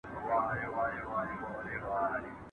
¬ شپه که تياره ده، مڼې په شمار دي.